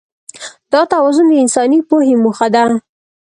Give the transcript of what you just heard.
دا توازن د انساني پوهې موخه ده.